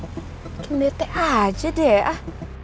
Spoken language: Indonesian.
mungkin aja deh ah